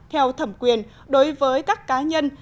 theo thẩm quyền đối với các cá nhân